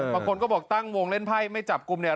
มันก็บอกตั้งวงเล่นไพ่ไม่จับคุมระวัง